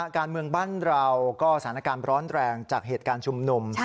การเมืองบ้านเราก็สถานการณ์ร้อนแรงจากเหตุการณ์ชุมนุม